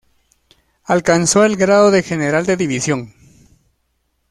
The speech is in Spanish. Alcanzó el grado de general de División.